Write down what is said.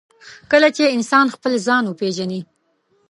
کله چې انسان خپل ځان وپېژني.